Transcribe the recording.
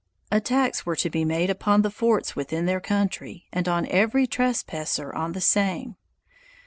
Attacks were to be made upon the forts within their country and on every trespasser on the same.